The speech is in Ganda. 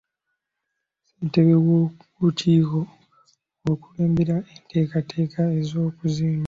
Ssentebe w'olukiiko olukulembera enteekateeka ez'okuzimba ennyumba y'omwami wa Kabaka